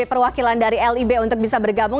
perwakilan dari lib untuk bisa bergabung